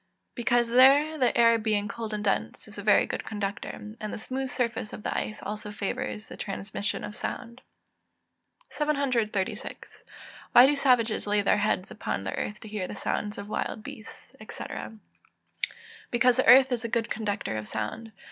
_ Because there the air, being cold and dense, is a very good conductor; and the smooth surface of the ice also favours the transmission of sound. 736. Why do savages lay their heads upon the earth to hear the sounds of wild beasts, &c.? Because the earth is a good conductor of sound.